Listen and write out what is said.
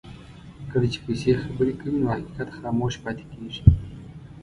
کله چې پیسې خبرې کوي نو حقیقت خاموش پاتې کېږي.